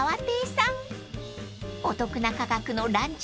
［お得な価格のランチ限定